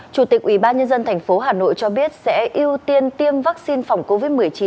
chủ tịch ủy ban nhân dân tp hà nội cho biết sẽ ưu tiên tiêm vaccine phòng covid một mươi chín